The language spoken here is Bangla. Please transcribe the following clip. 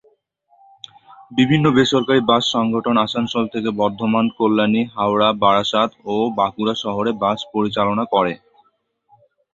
বিভিন্ন বেসরকারি বাস সংগঠন আসানসোল থেকে বর্ধমান, কল্যাণী, হাওড়া, বারাসাত ও বাঁকুড়া শহরে বাস পরিচালনা করে।